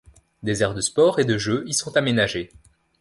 Des aires de sport et de jeu y sont aménagées.